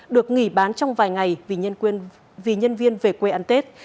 được nghỉ bán trong vài ngày vì nhân viên về quê ăn tết